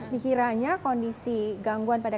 pikirannya kondisi gangguan pada